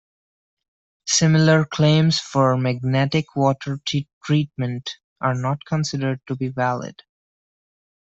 Similar claims for magnetic water treatment are not considered to be valid.